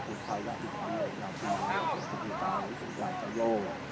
คุณทายรักมีความเหลือหลักหลายสุขีตาหรือสุขหลายสะโย